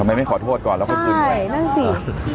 ทำไมไม่ขอโทษก่อนแล้วก็คืนเงิน